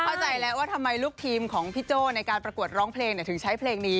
เข้าใจแล้วว่าทำไมลูกทีมของพี่โจ้ในการประกวดร้องเพลงถึงใช้เพลงนี้